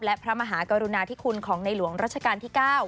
และพระมหากรุณาธิคุณของในหลวงรัชกาลที่๙